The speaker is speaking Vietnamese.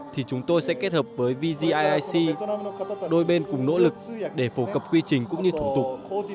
thì chúng tôi sẽ kết hợp với vgic đôi bên cùng nỗ lực để phổ cập quy trình cũng như thủ tục